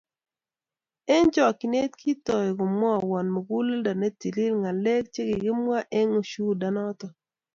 Eng chokchinet kitoi komwawon muguleldo netilil ngalek chegigimwaa eng ushuhuda noto---